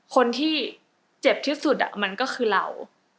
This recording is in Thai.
คนที่เจ็บที่สุดมันก็คือเรา